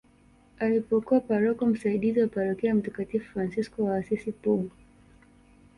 Alikuwa paroko msaidizi wa parokia ya mtakatifu Fransisco wa Assis Pugu